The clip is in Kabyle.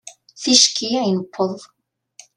Ticki i newweḍ.